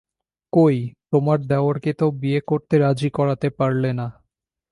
কই, তোমার দেওরকে তো বিয়ে করতে রাজি করাতে পারলে না।